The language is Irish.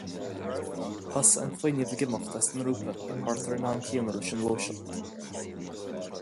Thosaigh an fuinneamh ag imeacht as an ngrúpa thart ar an am céanna leis an nGluaiseacht.